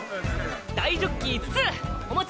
大ジョッキ５つお待ち